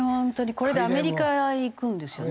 これでアメリカ行くんですよね。